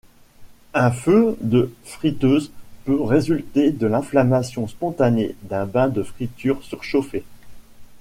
Un feu de friteuse peut résulter de l'inflammation spontanée d'un bain de friture surchauffé.